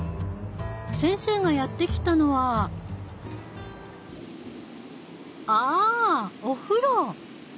先生がやって来たのはあお風呂！